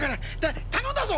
頼んだぞ！